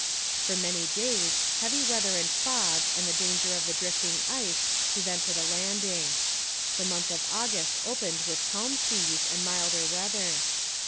For many days heavy weather and fog and the danger of the drifting ice prevented a landing. The month of August opened with calm seas and milder weather.